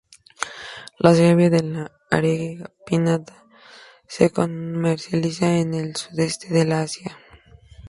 La savia de la "Arenga pinnata" se comercializa en el sudeste de la Asia.